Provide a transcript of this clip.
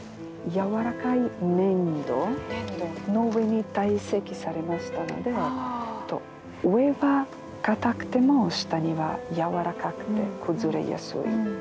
軟らかい粘土の上に堆積されましたので上は硬くても下には軟らかくて崩れやすい。